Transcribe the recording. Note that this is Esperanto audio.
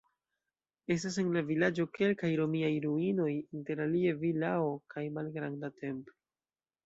Estas en la vilaĝo kelkaj romiaj ruinoj, interalie vilao kaj malgranda templo.